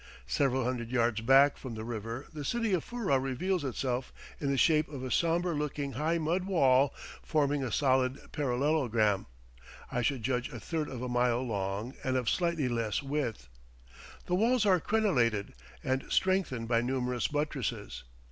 Several hundred yards back from the river the city of Furrah reveals itself in the shape of a sombre looking high mud wall, forming a solid parallelogram, I should judge a third of a mile long and of slightly less width. The walls are crenellated, and strengthened by numerous buttresses.